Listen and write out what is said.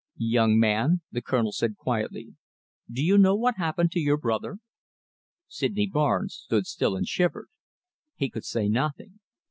"Young man," the Colonel said quietly, "do you know what happened to your brother?" Sydney Barnes stood still and shivered. He could say nothing.